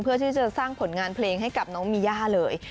เพื่อที่จะสร้างผลงานเพลงให้กับน้องมีย่าเลย